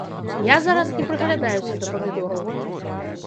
Я зараз не прыглядаюся да памідораў.